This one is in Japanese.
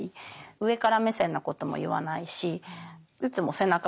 上から目線なことも言わないしいつも背中を押してあげる。